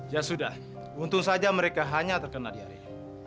ya sudah untung saja mereka hanya terkena di hari ini